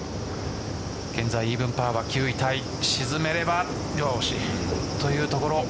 現在イーブンパーは９位タイ、沈めればよし、というところ。